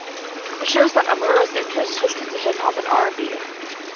It shows that Amuro's interest shifted to hip-hop and R and B.